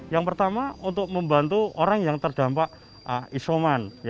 yang pertama untuk membantu orang yang terdampak isoman